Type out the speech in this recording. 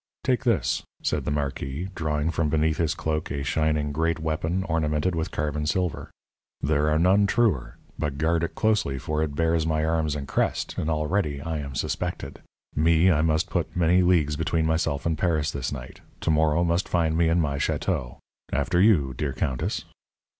"Take this," said the marquis, drawing from beneath his cloak a shining, great weapon, ornamented with carven silver. "There are none truer. But guard it closely, for it bears my arms and crest, and already I am suspected. Me, I must put many leagues between myself and Paris this night. To morrow must find me in my château. After you, dear countess."